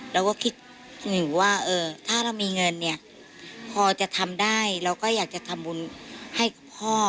เราก็คิดอยู่ว่าถ้าเรามีเงินเนี่ยพอจะทำได้เราก็อยากจะทำบุญให้พ่อ